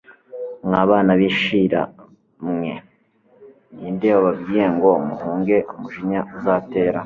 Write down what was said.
Mwa bana binshira mwe ni nde wababwiye ngo muhunge umujinya uzatera